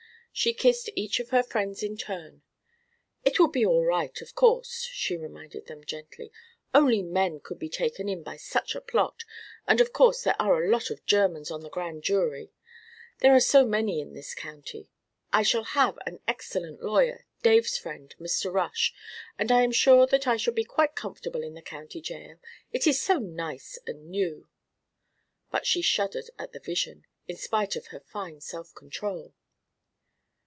She kissed each of her friends in turn. "It will be all right, of course," she reminded them gently. "Only men could be taken in by such a plot, and of course there are a lot of Germans on the Grand Jury there are so many in this county. I shall have an excellent lawyer, Dave's friend, Mr. Rush. And I am sure that I shall be quite comfortable in the County Jail it is so nice and new." But she shuddered at the vision, in spite of her fine self control.